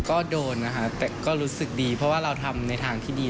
ก็โดนนะคะแต่ก็รู้สึกดีเพราะว่าเราทำในทางที่ดี